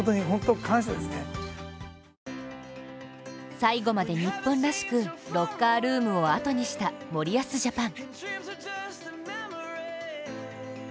最後まで日本らしくロッカールームをあとにした森保ジャパン。